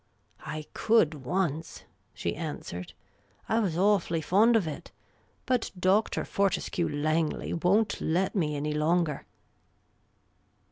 I could once," she answered. '* I was awfully fond of it. But Dr. Fortescue Langley won't let me any longer."